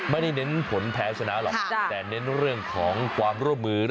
เน้นผลแพ้ชนะหรอกแต่เน้นเรื่องของความร่วมมือ